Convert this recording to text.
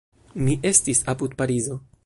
Mi estis apud Parizo.